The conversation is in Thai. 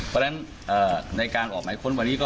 เพราะฉะนั้นในการออกหมายค้นวันนี้